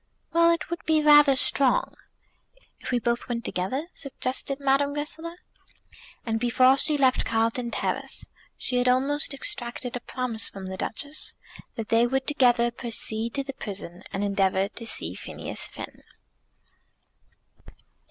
"Well, it would be rather strong." "If we both went together?" suggested Madame Goesler. And before she left Carlton Terrace she had almost extracted a promise from the Duchess that they would together proceed to the prison and endeavour to see Phineas Finn.